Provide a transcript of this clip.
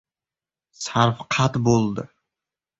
Sarvqad bo‘ldi!